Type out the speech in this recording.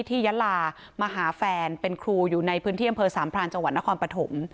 ยะลามาหาแฟนเป็นครูอยู่ในพื้นที่อำเภอสามพรานจังหวัดนครปฐม